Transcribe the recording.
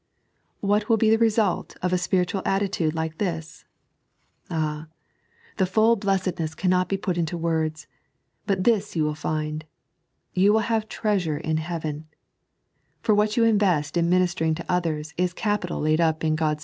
What will be the kesdlt of a spiritual attitude like this ? Ah, the full blessedness cannot be put in words — but this you will find, you will have treasure in heaven ; for what you invest in ministering to others ia capital laid up in God's 3.